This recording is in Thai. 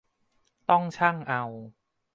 ต้องชั่งเอา